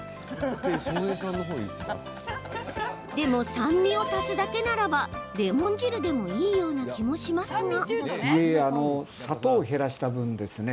でも、酸味を足すだけならばレモン汁でもいいような気もしますが。